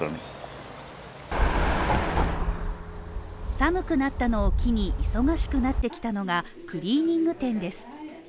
寒くなったのを機に忙しくなってきたのがクリーニング店です。